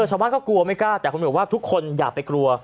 ชาวบ้านก็กลัวไม่กล้าแต่คุณบอกว่าทุกคนอย่าไปกลัว